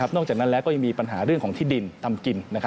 จากนั้นแล้วก็ยังมีปัญหาเรื่องของที่ดินทำกิน